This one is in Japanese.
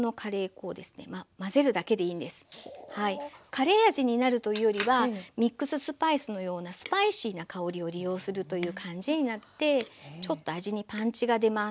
カレー味になるというよりはミックススパイスのようなスパイシーな香りを利用するという感じになってちょっと味にパンチが出ます。